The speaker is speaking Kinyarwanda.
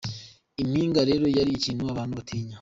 Impinga rero yari ikintu abantu batinya.